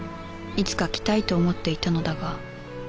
いつか来たいと思っていたのだが